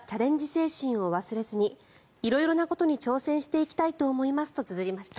精神を忘れずに色々なことに挑戦していきたいと思いますとつづりました。